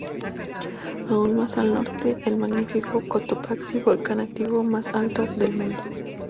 Aún más al norte el magnífico Cotopaxi volcán activo más alto del mundo.